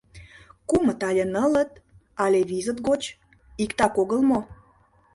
— Кумыт але нылыт, але визыт гоч — иктак огыл мо?